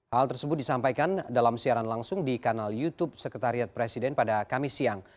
hal tersebut disampaikan dalam siaran langsung di kanal youtube sekretariat presiden pada kamis siang